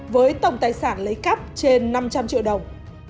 với tổng tài sản lấy cắp trên năm trăm linh triệu đồng